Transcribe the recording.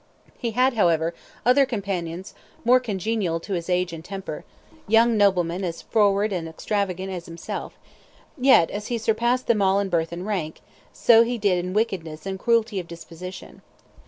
He had, however, other companions more congenial to his age and temper, young noblemen as froward and as extravagant as himself; yet, as he surpassed them all in birth and rank, so he did in wickedness and cruelty of disposition.